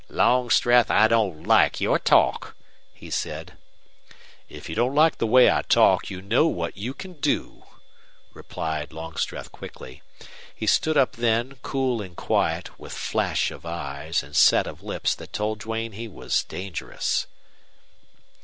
"Longstreth, I don't like your talk," he said. "If you don't like the way I talk you know what you can do," replied Longstreth, quickly. He stood up then, cool and quiet, with flash of eyes and set of lips that told Duane he was dangerous.